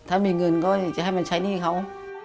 ถ้ามีเงินก็จะให้มันใช้หนี้เขา